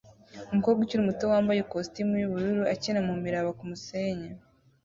Umukobwa ukiri muto wambaye ikositimu yubururu akina mumiraba kumusenyi